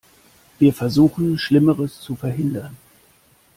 Wir versuchen, Schlimmeres zu verhindern.